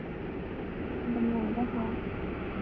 اس دیاں بنیاداں خاص ہن۔